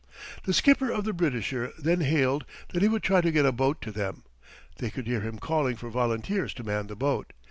The skipper of the Britisher then hailed that he would try to get a boat to them. They could hear him calling for volunteers to man the boat.